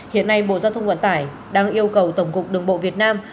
hiện nay bộ giao thông vận tải đang yêu cầu tổng cục đường bộ việt nam